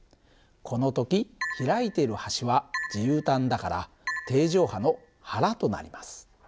この時開いている端は自由端だから定常波の腹となります。